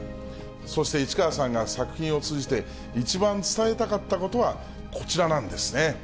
そして市川さんが作品を通じて、一番伝えたかったことは、こちらなんですね。